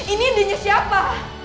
ini dia siapa